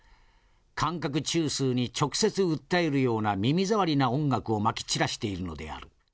感覚中枢に直接訴えるような耳障りな音楽をまき散らしているのである。